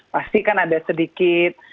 pasti kan ada sedikit